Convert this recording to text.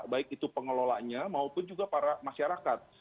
baik itu pengelolanya maupun juga para masyarakat